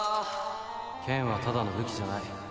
剣はただの武器じゃない。